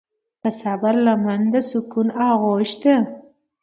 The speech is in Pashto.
د صبر لمن د سکون آغوش ده.